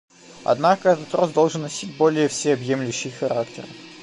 Однако этот рост должен носить более всеобъемлющий характер.